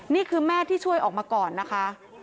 นี่คือแม่ที่ช่วยออกมาก่อนนะคะ